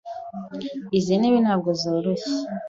Izi ntebe ntabwo zoroshye.